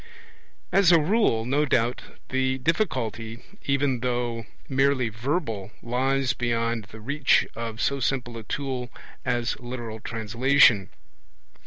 As a rule, no doubt, the difficulty, even though merely verbal, lies beyond the reach of so simple a tool as literal translation.